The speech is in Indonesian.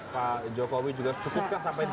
pak jokowi juga cukupkan sampai disitu